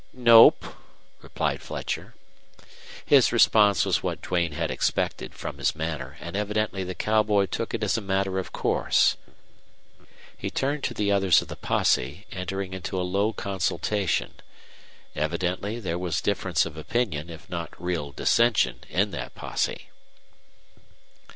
"Nope," replied Fletcher. His response was what Duane had expected from his manner, and evidently the cowboy took it as a matter of course. He turned to the others of the posse, entering into a low consultation. Evidently there was difference of opinion, if not real dissension, in that posse.